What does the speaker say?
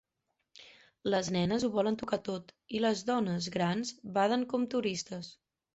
Les nenes ho volen tocar tot i les dones grans baden com turistes.